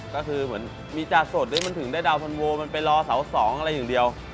ก็คือเหมือนมีจาสดหรือมันถึงได้ดาวพันโวมันไปรอเสา๒อะไรอย่างเดียว